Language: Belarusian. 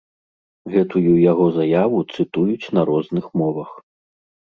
Гэтую яго заяву цытуюць на розных мовах.